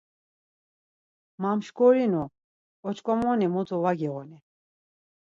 Mamşkorinu, oç̌ǩomoni mutu va giğuni.